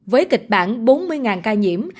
với kịch bản bốn mươi ca nhiễm